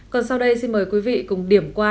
còn sau đây xin mời quý vị cùng điểm qua